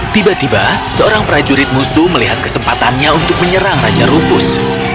tiba tiba seorang prajurit musuh melihat kesempatannya untuk menyerang raja rufus